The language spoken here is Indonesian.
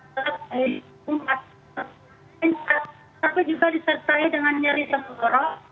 tetapi juga disertai dengan nyeri sebuah roh